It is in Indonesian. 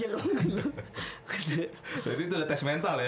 jadi lu udah tes mental ya